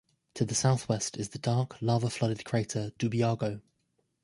To the southwest is the dark, lava-flooded crater Dubyago.